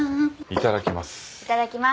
いただきます。